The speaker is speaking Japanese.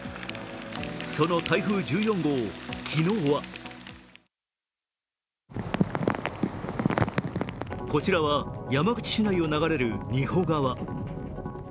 その台風１４号、昨日はこちらは山口市内を流れる仁保川。